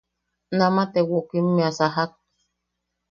Nama te wokimmea sajak.